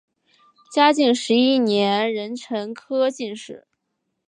嘉靖十一年壬辰科进士。